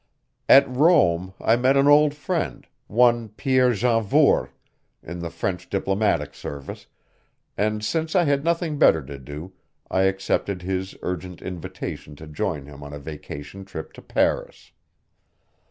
At Rome I met an old friend, one Pierre Janvour, in the French diplomatic service, and since I had nothing better to do I accepted his urgent invitation to join him on a vacation trip to Paris.